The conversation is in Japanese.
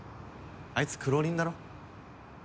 あいつ苦労人だろ？